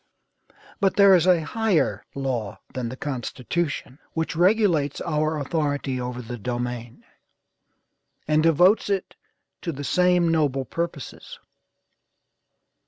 "But there is a higher law than the Constitution, which regulates our authority over the domain, and devotes it to the same noble purposes.